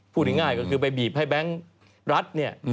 พูดง่ายก็คือไปบีบให้แบงค์รัฐเนี่ย